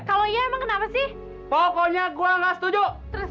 kalau iya emang kenapa sih pokoknya gua nggak setuju terserah